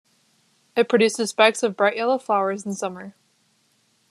It produces spikes of bright yellow flowers in summer.